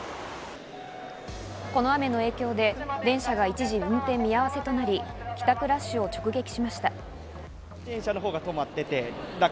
この雨の影響で電車が一時運転見合わせとなり、帰宅ラッシュを直撃しました。